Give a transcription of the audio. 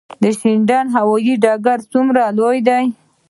شینډنډ هوايي ډګر څومره لوی دی؟